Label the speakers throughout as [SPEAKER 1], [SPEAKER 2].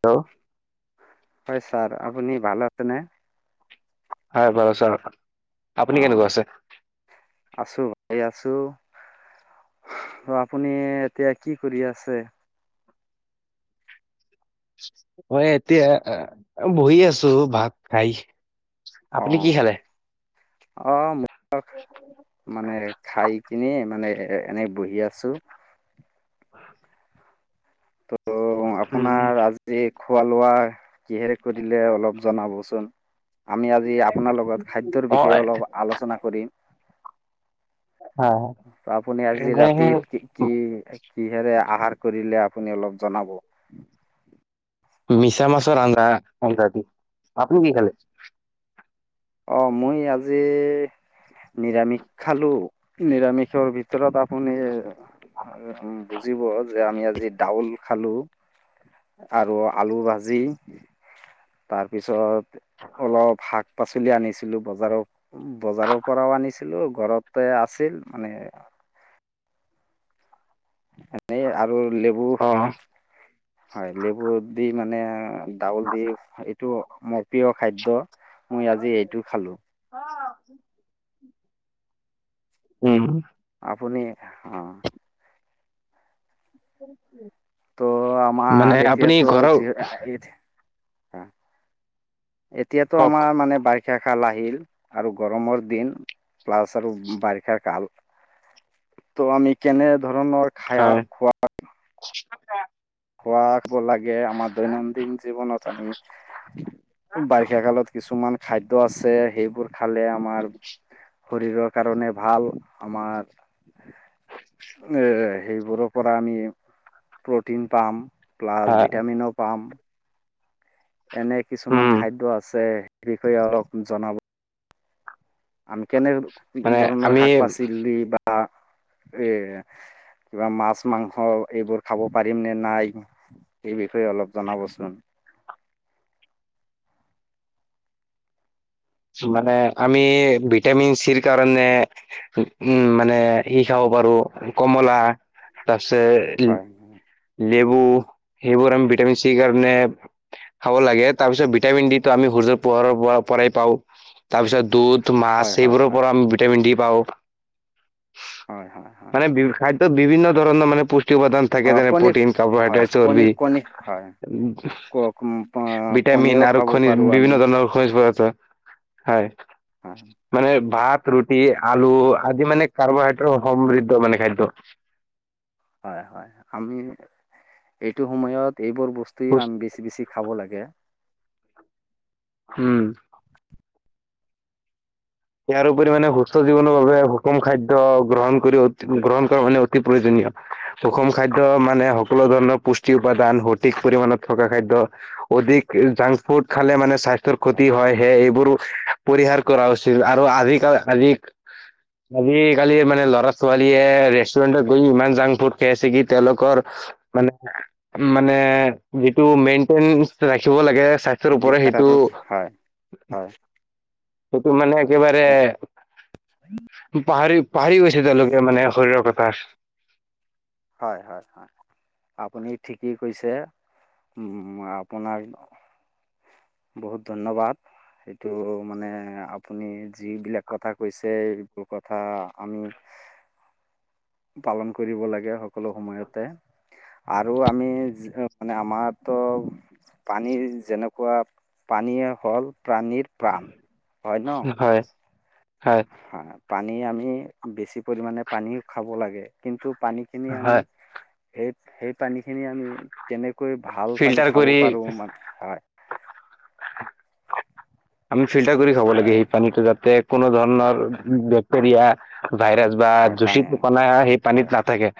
[SPEAKER 1] Hello
[SPEAKER 2] হয় sir আপুনি ভাল আছেনে?
[SPEAKER 1] হয় বাৰু ছাৰ আপুনি কেনেকুৱা আছে।
[SPEAKER 2] আছো আপুনি এতিয়া কি কৰি আছে?
[SPEAKER 1] মই এতিয়া বহি আছো ভাত খাই। আপুনি কি
[SPEAKER 2] অ',
[SPEAKER 1] খালে?
[SPEAKER 2] অ, মোৰ মানে খাই কিনি মানে এ, এনে বহি আছো। ত'
[SPEAKER 1] উম,
[SPEAKER 2] আপোনাৰ আজি খোৱা-লোৱা কিহেৰে কৰিলে অলপ জনাবচোন? আমি আজি আপোনাৰ লগত খাদ্যৰ
[SPEAKER 1] মই
[SPEAKER 2] বিষয়ে অলপ আলোচনা কৰিম। আপুনি আজি
[SPEAKER 1] এনে
[SPEAKER 2] ৰাতি কি কি কি হেৰে আহাৰ [unintelligible] কৰিলে আপুনি অলপ জনাব?
[SPEAKER 1] মিছা মাছৰ আঞ্জা। আপুনি কি খালে? [unintelligible]
[SPEAKER 2] অ, মই আজি নিৰামিষ খালো। নিৰামিষৰ ভিতৰত আ, শুনি বুজিব যে আমি আজি ডাউল খালো। আৰু আলু ভাজি, তাৰপিছত অলপ শাক। পাচলি আনিছিলো বজাৰৰ বজাৰৰ পৰাও আনিছিলো। আছিলো ঘৰতে আছিল মানে। এনেই আৰু লেবু
[SPEAKER 1] অ'।
[SPEAKER 2] হয় লেবু দি মানে ডাউল দি এইটো মোৰ প্ৰিয় খাদ্য।
[SPEAKER 1] [unintelligible]
[SPEAKER 2] মই আজি এইটো খালোঁ
[SPEAKER 1] অ উম,
[SPEAKER 2] আপুনি অ,
[SPEAKER 1] [inaudible]
[SPEAKER 2] ত'
[SPEAKER 1] মানে
[SPEAKER 2] আমাৰ
[SPEAKER 1] আপুনি
[SPEAKER 2] এতিয়াতো
[SPEAKER 1] ঘৰৰ
[SPEAKER 2] যিহেতু এতিয়াতো
[SPEAKER 1] কওক
[SPEAKER 2] আমাৰ মানে বাই বাৰিষা খাল আহিল আৰু গৰমৰ দিন প্লাছ আৰু বাৰিষা কাল। [unintelligible] তো আমি কেনে ধৰণৰ খাই
[SPEAKER 1] হয়।
[SPEAKER 2] খোৱা খোৱা? লাগে আমাৰ দৈনন্দিন জীৱনত আমি বাৰি্ষা কালত কিছুমান খাদ্য আছে সেইবোৰ খালে আমাৰ শৰীৰৰ কাৰণে ভাল আমাৰ। এ, সেইবোৰৰ পৰা আমি প্ৰটিন পাম। প্লাছ
[SPEAKER 1] হয়,
[SPEAKER 2] ভিটামিনো পাম। এনে কিছুমান
[SPEAKER 1] উম,
[SPEAKER 2] খাদ্য আছে সেই বিষয়ে অলপ জনাব। আমি কেনেক
[SPEAKER 1] মানে
[SPEAKER 2] ধৰণৰ
[SPEAKER 1] আমি
[SPEAKER 2] শাক পাচি বা এ, কিবা মাছ মাংস এইবোৰ খাব পাৰিম নে নাই এই বিষয়ে অলপ জনাবচোন?
[SPEAKER 1] মানে আমি ভিটামিন চিৰ কাৰণে উম মানে সি খাব। বাৰু কমলা।
[SPEAKER 2] উ।
[SPEAKER 1] লেবু লেবুম বিটামিন চি। খাব লাগে তাৰ পিছত ভিটামিন ডি তো আমি সূৰ্যৰ পোহাৰৰ পৰা পৰাই পাওঁ। তাৰ পিছত দুধ মাছ
[SPEAKER 2] হয় হয়
[SPEAKER 1] সবোৰৰ
[SPEAKER 2] হয়
[SPEAKER 1] পৰা আমি ভিটামিন ডি পাওঁ।
[SPEAKER 2] হয় হয় হয়
[SPEAKER 1] মানে খাদ্য বিভিন্ন ধৰণৰ মানে পুষ্টি থাকে
[SPEAKER 2] হয়
[SPEAKER 1] যেনে
[SPEAKER 2] কণী
[SPEAKER 1] প্ৰটিন
[SPEAKER 2] হয়
[SPEAKER 1] কাৰ্বহাইড্ৰেট
[SPEAKER 2] কণী
[SPEAKER 1] চৰ্বি।
[SPEAKER 2] কণী হয়
[SPEAKER 1] ভটামিন
[SPEAKER 2] কণীও
[SPEAKER 1] আৰু
[SPEAKER 2] খাব
[SPEAKER 1] খনিজ
[SPEAKER 2] পাৰোঁ আমি
[SPEAKER 1] বিভিন্ন ধৰণৰ খনিজ পদাৰ্থ হয়
[SPEAKER 2] হয়
[SPEAKER 1] মানে। ভাত, ৰুটি, আলু আদি মানে কাৰ্বহাইড্ৰেট সমৃদ্ধ মানে খাদ্য।
[SPEAKER 2] হয়, হয় আমি এইটো সময়ত এইবোৰ বস্তুৱেও আমি বেছি বেছি খাব লাগে।
[SPEAKER 1] উম। ইয়াৰোপৰি মানে সুস্থ জীৱনৰ বাবে সুষম খাদ্য গ্ৰহণ কৰি গ্ৰহণ কৰা মানে অতি প্ৰয়োজনীয়। সুষম খাদ্য মানে সকলো ধৰণৰ পুষ্টি উপাদান সঠিক পৰিমমানত থকা খাদ্য। অধিক জাংক ফুড খালে মানে স্বাস্থ্যৰ ক্ষতি হয়। সে এইবোৰো পৰিহাৰ কৰা উচিত। আৰু আধিক আধিক আজিকালি মানে ল'ৰা -ছোৱালীয়ে ৰেষ্টুৰেন্টত গৈ ইমান জাংক ফুড খাই আছে কি তেওঁলোকৰ মানে মানে যিটো মেইন্টেইন ৰাখিব লাগে স সেইটোৰ ওপৰে সেইটো
[SPEAKER 2] হয় হয়
[SPEAKER 1] ত মানে একেবাৰে পাহৰি পাহৰি গৈছে তেওঁলোকে মানে শৰীৰৰ কথাৰ।
[SPEAKER 2] হয় হয় হয় আপুনি ঠিকেই কৈছে। উম আপোনাক বহুত ধন্যবাদ। সেইটো মানে আপুনি যিবিলাক কথা কৈছে এইটোৰ কথা আমি। [unintelligible] পালন কৰিব লাগে সকলো সময়তে আৰু আমি মানে আমাৰ ত পানীৰ যেনেকুৱা পানীয়ে হ'ল প্ৰাণীৰ প্ৰাণ। ন
[SPEAKER 1] হয়।
[SPEAKER 2] হয় পানী আমি বেছি পৰিমাণে পানীও খাব লাগে কিন্তু পানীখিনি আমি
[SPEAKER 1] হয়,
[SPEAKER 2] সেই সেই পানীখিনি আমি, তেনেকৈ ভাল পানী
[SPEAKER 1] ফিল্টাৰ
[SPEAKER 2] খাব
[SPEAKER 1] কৰি
[SPEAKER 2] পাৰোঁ মানে হয়।
[SPEAKER 1] আমি ফিল্টাৰ কৰি খাব লাগে
[SPEAKER 2] হয়
[SPEAKER 1] এই পানীতটো যাতে কোনো
[SPEAKER 2] হয়
[SPEAKER 1] ধৰণৰ, বেক্টেৰিয়া ভাইৰাছ বা
[SPEAKER 2] হয় পানী
[SPEAKER 1] জুচিত কনা সেই
[SPEAKER 2] হয়
[SPEAKER 1] পানীত নাথাকে।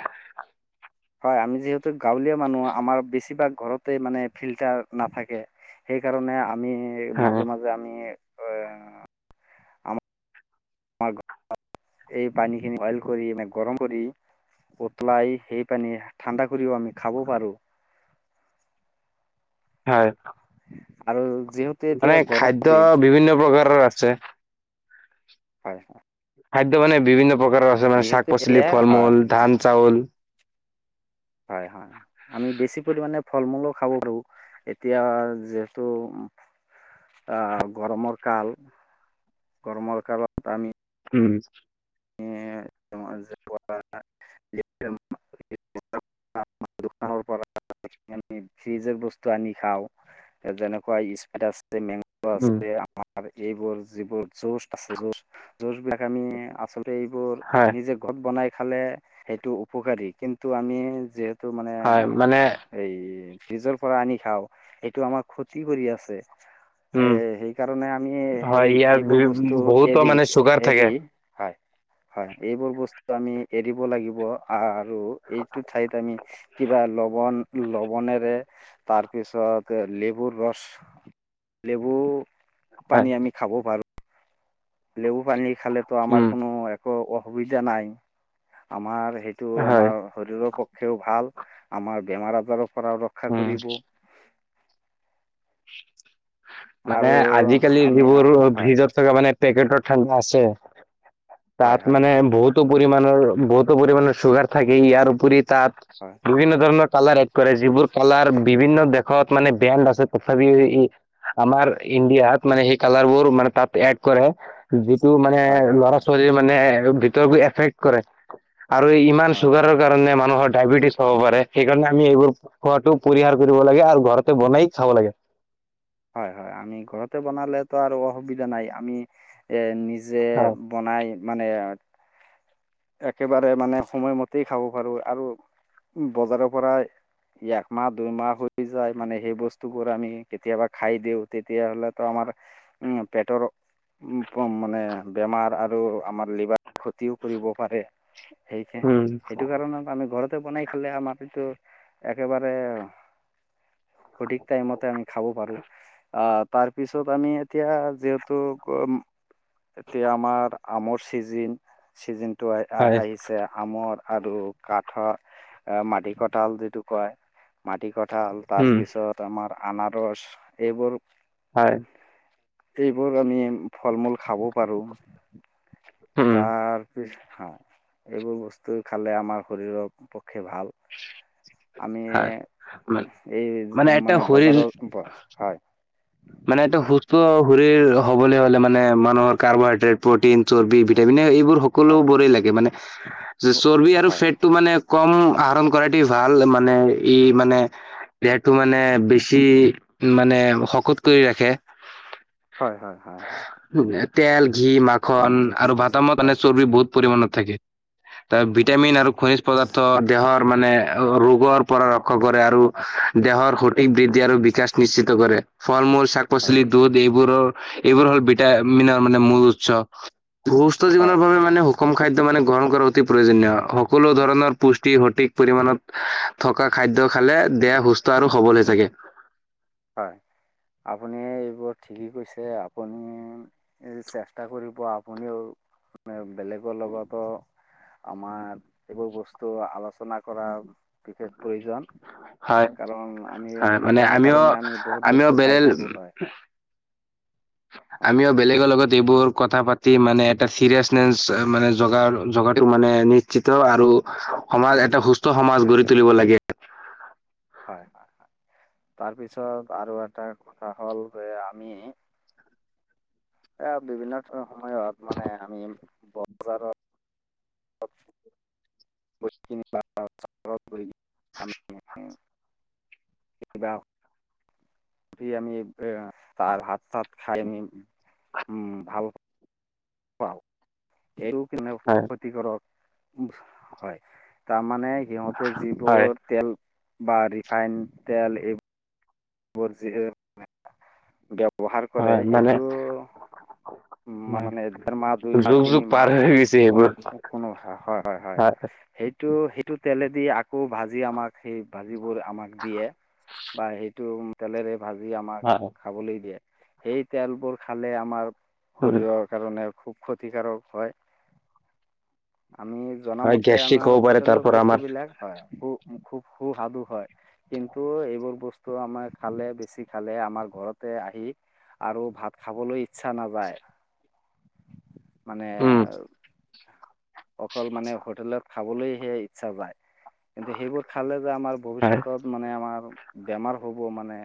[SPEAKER 2] আমি যিহেতু গাঁৱলীয়া মানুহ আমাৰ বেছিভাগ ঘৰতে মানে ফিল্টাৰ নাথাকে, সেইকাৰণে আমি
[SPEAKER 1] হয়,
[SPEAKER 2] মাজে মাজে আমি এ আমাৰ ঘ এই পানীখিনি বইল কৰি মানে গৰম কৰি, উতলাই সেই পানী ঠাণ্ডা কৰিও আমি খাব পাৰোঁ।
[SPEAKER 1] হয়।
[SPEAKER 2] আৰু। যিহেতু এতিয়া
[SPEAKER 1] মানে
[SPEAKER 2] গৰম
[SPEAKER 1] খাদ্য
[SPEAKER 2] দিন
[SPEAKER 1] বিভিন্ন প্ৰকাৰৰ আছে।
[SPEAKER 2] হয় হয়।
[SPEAKER 1] খাদ্য মানে বিভিন্ন প্ৰকাৰৰ আছে মানে শাক-
[SPEAKER 2] যিহেতু
[SPEAKER 1] পাচলি,
[SPEAKER 2] এতিয়া
[SPEAKER 1] ফল
[SPEAKER 2] হয়
[SPEAKER 1] মূল, ধান, চাউল,
[SPEAKER 2] হয় হয় আমি বেছি পৰিমাণে ফল মূলো খাব পাৰোঁ। এতিয়া যিহেতু। গৰমৰ কাল, গৰমৰ কালত আমি,
[SPEAKER 1] উম!
[SPEAKER 2] [unintelligible] দোকানৰ পৰা আমি ফ্ৰিজৰ বস্তু আনি খাওঁ যেনেকুৱা স্পপাইট আছে। যে মেংগ আছে
[SPEAKER 1] উম,
[SPEAKER 2] যে আমাৰ আৰু এইবোৰ যিবোৰ যুজ আছে যুজ যুজ বিলাক আমি আচলতে এইবোৰ
[SPEAKER 1] হয়,
[SPEAKER 2] নিজে ঘট বনাই খালে সেইটো উপকাৰী কিন্তু আমি যিহেতু এইটো মানে
[SPEAKER 1] হয়, মানে
[SPEAKER 2] এই ফ্ৰিজৰ পৰা আনি খাও সেইটো আমাৰ ক্ষতি কৰি আছে। [unintelligible] এ
[SPEAKER 1] উম,
[SPEAKER 2] সেইকাৰণে আমি
[SPEAKER 1] হয়,
[SPEAKER 2] সেই
[SPEAKER 1] ইয়াৰ
[SPEAKER 2] সেইবোৰ
[SPEAKER 1] বি-
[SPEAKER 2] বস্তু
[SPEAKER 1] বহুতো
[SPEAKER 2] এৰি
[SPEAKER 1] মানে চুগাৰ থাকে
[SPEAKER 2] এৰি হয়। হয় এইবোৰ বস্তু আমি এৰিব লাগিব আৰু এইটো ঠাইত আমি কিবা ল ল লৱণেৰে তাৰপিছত লেবুৰ ৰস লেবু
[SPEAKER 1] হয়,
[SPEAKER 2] পানী আমি খাব পাৰোঁ। লেবু পানী খালেতো আমাৰ
[SPEAKER 1] উম,
[SPEAKER 2] কোনো একো অসুবিধা নাই আমাৰ। সেইটো
[SPEAKER 1] হয়,
[SPEAKER 2] আমাৰ শৰীৰৰ পক্ষেও ভাল আমাৰ বেমাৰ আজাৰৰ পৰাও ৰক্ষা
[SPEAKER 1] উম,
[SPEAKER 2] কৰিব।
[SPEAKER 1] মানে
[SPEAKER 2] আৰু
[SPEAKER 1] আজিকালি
[SPEAKER 2] আমি
[SPEAKER 1] যিবোৰ
[SPEAKER 2] হয়
[SPEAKER 1] ভিজত থকা মানে পেকেটৰ ঠাণ্ডা আছে।
[SPEAKER 2] হয়
[SPEAKER 1] তাত
[SPEAKER 2] হয়
[SPEAKER 1] মানে
[SPEAKER 2] হয়
[SPEAKER 1] বহুতো পৰিমণৰ বহুতো পৰিমানৰ চুগাৰ থাকে ইয়াৰ উপৰি, তাত
[SPEAKER 2] হয়
[SPEAKER 1] বিভিন্ন ধৰণৰ কালাৰ এড কৰে যিবোৰ কালাৰ বিভিন্ন দেশত মানে ব্ৰেণ্ড আছে। তথাপি আমাৰ ইণ্ডিয়াত মানে সেই কালাৰ বোৰ মানে তাত এড কৰে যি টো মানে
[SPEAKER 2] হয় হয় হয়
[SPEAKER 1] ল'ৰা -ছোৱালী মানে ভিতৰবো এফেক্ট কৰে। আৰু ইমান
[SPEAKER 2] হয়
[SPEAKER 1] চুগাৰৰ
[SPEAKER 2] হয়
[SPEAKER 1] কাৰণে মানুহৰ ডায়েবেটিছ খাব পাৰে, সেইকাৰণে আমি এইবোৰ খোৱাটো পৰিহাৰ কৰিব লাগে আৰু ঘৰতে বনাই খাব লাগে।
[SPEAKER 2] হয় হয় আমি ঘৰতে বনালেতো আৰু অসুবিধা নাই। আমি এ নিজ যে
[SPEAKER 1] হয়
[SPEAKER 2] বনাই মানে একেবাৰে মানে সময়মতেই খাব পাৰো আৰু বজাৰৰ পৰা একমাহ -দুইমাহ হৈ যায় মানে সেই বস্তুবোৰ আমি কেতিয়াবা খাই দিও তেতিয়াহলেত আমাৰ মাৰ উম পেটৰ অ মানে বেমাৰ আৰু আমাৰ লিভাৰ ক্ষতিও কৰিব। পাৰে, সেই
[SPEAKER 1] উম
[SPEAKER 2] সেইটো কাৰণত আমি ঘৰত বনাই খালে আমাৰ কিটো একেবাৰে সঠিক টাইমতে আমি খাব পাৰো আহ। তাৰপিছত আমি এতিয়া যিহেতু এতিয়া আমাৰ আমৰ চিজিন, চিজিনটো আহ আহ
[SPEAKER 1] হয়
[SPEAKER 2] আহিছে আমৰ। আৰু কাঠৰ, মাটি কঠাল যিটো কয় মাটি কঠ ঠাল তাৰ
[SPEAKER 1] উম
[SPEAKER 2] পিছত আমাৰ আনাৰস এইবোৰ
[SPEAKER 1] হয়।
[SPEAKER 2] এইবোৰ আমি ফল- মূল খাব পাৰো,
[SPEAKER 1] উম
[SPEAKER 2] তাৰ হয় এইবোৰ বস্তু খালে আমাৰ শৰীৰৰ পক্ষে ভাল। আমি
[SPEAKER 1] হয়
[SPEAKER 2] এ এই
[SPEAKER 1] এটা
[SPEAKER 2] মানে
[SPEAKER 1] শৰীৰ
[SPEAKER 2] বজাৰৰ হয়।
[SPEAKER 1] মানে এটো সুস্থ শৰীৰ হবলৈ হ'লে মানে মানুহৰ কাৰ্বহাইড্ৰেট, প্ৰটিন, চৰ্বি, ভিটামিন এই বোৰ
[SPEAKER 2] হয় হয়
[SPEAKER 1] সকলোবোৰেই লাগে মানে চৰ্বি আৰু
[SPEAKER 2] হয়
[SPEAKER 1] ফেটটো মানে কম আহৰণ কৰাতে ভাল মানে ই মানে ইয়াৰটো মানে বেছি মানে শকত কৰি ৰাখে।
[SPEAKER 2] হয় হয় হয়।
[SPEAKER 1] তেল, ঘি,
[SPEAKER 2] আপুনি
[SPEAKER 1] মাখন
[SPEAKER 2] ঠিকেই
[SPEAKER 1] আৰু
[SPEAKER 2] কৈছে
[SPEAKER 1] ভাতামত মানে
[SPEAKER 2] হয়
[SPEAKER 1] চৰ্বি বহুত পৰিমানত থাকে। তাৰ
[SPEAKER 2] হয়
[SPEAKER 1] ভিটামিন আৰু খনিজ পদাৰ দেহৰ মানে ৰোগৰ পৰা ৰক্ষা কৰে আৰু দেহৰ সঠিক বৃদ্ধি আৰু বিকাশ নিশ্চিত কৰে। ফল- মূল, শাক পাচলি,
[SPEAKER 2] হয়
[SPEAKER 1] দুধ এইবোৰৰ এইবোৰ হ'ল ভিটামিনৰ মানে মূল উৎস। সুস্থ
[SPEAKER 2] হয়
[SPEAKER 1] জীৱনৰ
[SPEAKER 2] হয়
[SPEAKER 1] বাবে
[SPEAKER 2] হয়
[SPEAKER 1] মানে
[SPEAKER 2] হয়
[SPEAKER 1] সুষম খাদ্য মানে গ্ৰহণ কৰা অতি প্ৰয়োজনীয়। সকলো ধৰণৰ পুস সঠিক পৰিমানত থকা খাদ্য খালে দেহ সুস্থ আৰু সবল হৈ থাকে।
[SPEAKER 2] হয়। আপুনি এইবোৰ ঠিকেই কৈছে, আপুনি চেষ্টা কৰিব আপুনিও। বেলেগৰ লগতো আমাৰ এইবোৰ বস্তু আলো চনা কৰা বিশেষ প্ৰয়োজন কাৰণ আমি নাজানো
[SPEAKER 1] কিয়
[SPEAKER 2] কাৰণে আমি বহুত
[SPEAKER 1] আমিও
[SPEAKER 2] বস্তু খাই
[SPEAKER 1] বেলে,
[SPEAKER 2] থাকোঁ হয় হয়
[SPEAKER 1] আমিও বেলেগৰ লগত এইবোৰ কথা পাতি মানে এটা চিৰিয়াচনেচ মানে জগা জগাটো মানে নিশ্চিত আৰু সমাজ এটা সুস্থ সমাজ গঢ়ি তুলিব লাগে।
[SPEAKER 2] হয় হয় হয়। তাৰপিছত আৰু এটা কথা হ'ল যে আমি এ বিভিন্ন সময়ত মানে আমি বজাৰৰ [unintelligible] [unintelligible] [unintelligible] আমি উম তাৰ ভাত- চাত খাই আমি উম ভাল পা এইটো [unintelligible]
[SPEAKER 1] হয়,
[SPEAKER 2] ক্ষতিকাৰক হয়। তাৰমানে সিহঁতে
[SPEAKER 1] হয়,
[SPEAKER 2] যিবোৰ তেল বা ৰিফাইন তেল এইবো বোৰ যি ব্যৱহাৰ কৰে
[SPEAKER 1] হয় মানে
[SPEAKER 2] সেইটো উম মানে দেৰ মাহ, দুই মাহ,
[SPEAKER 1] যুগ যুগ
[SPEAKER 2] তিনি
[SPEAKER 1] পাৰ
[SPEAKER 2] মাও
[SPEAKER 1] হৈ গৈছে এইবোৰ।
[SPEAKER 2] কোনো কোনো হয় হয় হয় সেইটো সেটো তেলে দি আকৌ ভাজি আমাক সেই ভাজিবোৰ আমাক দিয়ে বা সেই টো তেলেৰে ভাজি আমাক
[SPEAKER 1] হয়,
[SPEAKER 2] খাবলৈ দিয়ে সেই তেলবোৰ খালে আমাৰ
[SPEAKER 1] উম,
[SPEAKER 2] শৰীৰৰ কাৰণে খুব ক্ষতিকাৰক হয়। আমি
[SPEAKER 1] হয়
[SPEAKER 2] জনামতে
[SPEAKER 1] গেষ্ট্ৰিক
[SPEAKER 2] আমাৰ
[SPEAKER 1] হ'ব পাৰে তাৰ
[SPEAKER 2] হোটেলৰ
[SPEAKER 1] পৰা
[SPEAKER 2] বস্তু
[SPEAKER 1] আমাৰ
[SPEAKER 2] বিলাক হয়। খুব সু সাদু হয় কিন্তু এইবোৰ বস্তু। আমাৰ খালে বেছি খালে আমাৰ ঘৰতে আহি আৰু ভাত খাবলৈ ইচ্ছা নাযায় মানে।
[SPEAKER 1] উম,
[SPEAKER 2] অকল মানে হোটেলত খাবলৈ সে ইচ্ছা যায় কিন্তু সেইবোৰ খালে যে আমাৰ
[SPEAKER 1] হয়,
[SPEAKER 2] ভৱিষ্যতত মানে আমাৰ বেমাৰ হ'ব মানে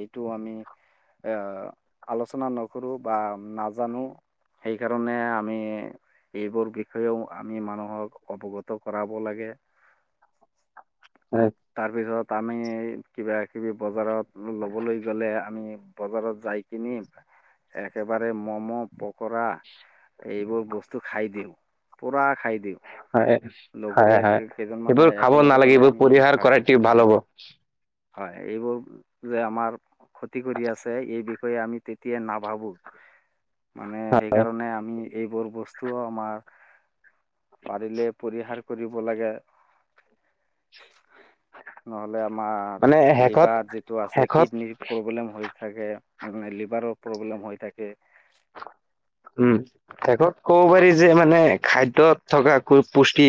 [SPEAKER 2] এইটো আমি আলোচনা নকৰোঁ বা নাজানো। সেইকাৰণে আমি এইবোৰ বিষয়েও আমি মানুহক অৱগত কৰাব লাগে
[SPEAKER 1] হয়,
[SPEAKER 2] তাৰপিছত তাত আমি কিবাকিবি বজাৰত ল'বলৈ গ'লে আমি বজাৰত যাই কিনি একেবাৰে ম'ম' পকৰা এইবোৰ বস্তু খাই দিওঁ পুৰা খাই দিওঁ।
[SPEAKER 1] হয়, হয়, হয়।
[SPEAKER 2] লগৰীয়া কেইজন মানে
[SPEAKER 1] এইবোৰ খাব
[SPEAKER 2] একেলগে
[SPEAKER 1] নালাগে
[SPEAKER 2] হলে
[SPEAKER 1] এইবোৰ
[SPEAKER 2] আমি
[SPEAKER 1] পৰিহাৰ
[SPEAKER 2] হয়
[SPEAKER 1] কৰাটো ভাল
[SPEAKER 2] এ
[SPEAKER 1] হ'ব
[SPEAKER 2] হয় এইবোৰ যে আমাৰ ক্ষতি কৰি আছে এই বিষয়ে আমি তেতিয়াই নাভাবো। মানে সেইকাৰণে আমি এইবোৰ বস্তুও আমাৰ। পাৰিলে পৰিহাৰ কৰিব লাগে। নহ আমাৰ
[SPEAKER 1] মানে শেষত
[SPEAKER 2] লিভাৰ যিটো আছে
[SPEAKER 1] শেষত
[SPEAKER 2] কিডনীৰ প্ৰব্লেম হৈ থাকে। তে লিভাৰৰ প্ৰব্লেম হৈ থাকে।
[SPEAKER 1] উম শেষত ক'ব পাৰি যে মানে খাদ্যত থকা পুষ্টি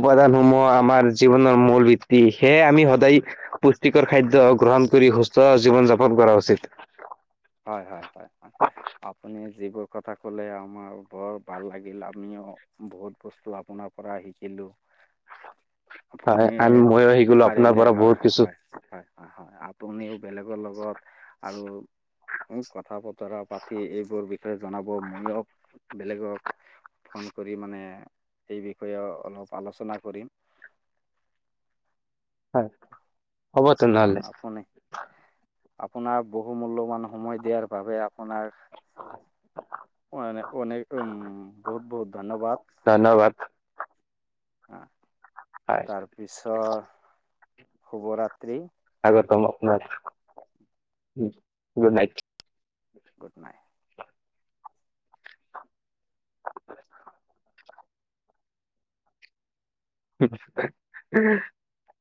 [SPEAKER 1] উপাদানসমূহ
[SPEAKER 2] হয়
[SPEAKER 1] আমাৰ জীৱনৰ মূল বৃত্তি সেয়ে আমি সদায় পুষ্টিকৰ খাদ্য গ্ৰহণ কৰি সুস্থ জীৱন যাপন কৰা উচিত।
[SPEAKER 2] [inaudible] হয় হয় হয় আপুনি যিবোৰ কথা কলে আমাৰ বৰ ভাল লাগিল আমি বহুত বস্তু আপোনাৰ পৰা শিকিলো। আপুনি
[SPEAKER 1] হয় আমি ময়ো শিকিলো আপোনাৰ
[SPEAKER 2] পাৰিলে
[SPEAKER 1] পৰা
[SPEAKER 2] হয়
[SPEAKER 1] বহুত কিছু
[SPEAKER 2] আপুনি বেলেগৰ লগত আৰু কথা বতৰা পাতি এইবোৰ বিষয়ে জনাব মইয়ো বেলেগক ফোন কৰি মানে এই বিষয়ে অলপ আলোচনা কৰিম। [unintelligible]
[SPEAKER 1] হয় হ'ব তেনেহলে।
[SPEAKER 2] আপোনাক বহু মূল্যবান সময় দিয়াৰ বাবে আপোনাক অনেক অনেক উম বহুত বহুত ধন্যবাদ।
[SPEAKER 1] ধন্যবাদ হয়
[SPEAKER 2] তাৰপিছত শুভৰাত্ৰি।
[SPEAKER 1] কি কয় আপোনাক গুড নাইট।
[SPEAKER 2] Good night
[SPEAKER 1] [unintelligible]